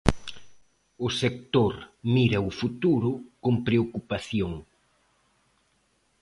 O sector mira o futuro con preocupación.